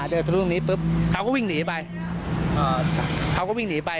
อ่าเดินทางตรงนี้ปุ๊บเขาก็วิ่งหนีไปอ่าเขาก็วิ่งหนีไป